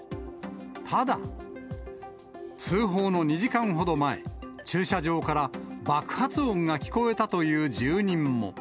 ただ、通報の２時間ほど前、駐車場から爆発音が聞こえたという住人も。